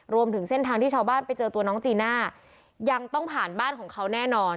รวมถึงเส้นทางที่ชาวบ้านไปเจอตัวน้องจีน่ายังต้องผ่านบ้านของเขาแน่นอน